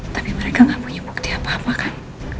tapi mereka gak punya bukti apa apa kan